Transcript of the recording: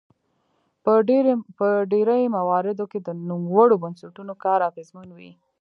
په ډیری مواردو کې د نوموړو بنسټونو کار اغیزمن وي.